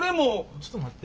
ちょっと待って。